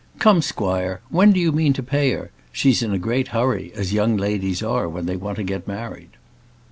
Come, squire, when do you mean to pay her? She's in a great hurry, as young ladies are when they want to get married."